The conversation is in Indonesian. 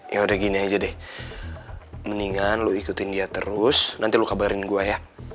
ya udah gini aja deh mendingan lu ikutin dia terus nanti lo kabarin gue ya